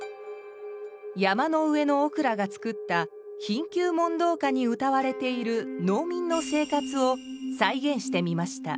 山上憶良が作った「貧窮問答歌」にうたわれている農民の生活を再現してみました。